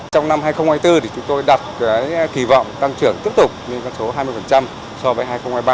trong năm hai nghìn hai mươi bốn chúng tôi đặt kỳ vọng tăng trưởng tiếp tục lên con số hai mươi so với hai nghìn hai mươi ba